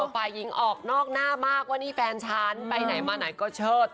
ฝ่ายหญิงออกนอกหน้ามากว่านี่แฟนฉันไปไหนมาไหนก็เชิด